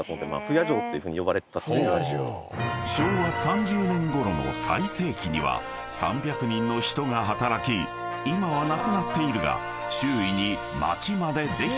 ［昭和３０年ごろの最盛期には３００人の人が働き今はなくなっているが周囲に町までできていたというが］